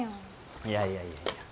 いやいやいやいや。